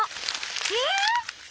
えっ！？